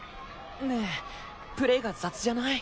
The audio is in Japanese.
ねえプレーが雑じゃない？